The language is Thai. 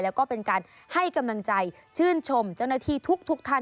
แล้วก็เป็นการให้กำลังใจชื่นชมเจ้าหน้าที่ทุกท่าน